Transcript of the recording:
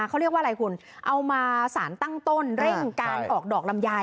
เขาเรียกว่าอะไรคุณเอามาสารตั้งต้นเร่งการออกดอกลำไย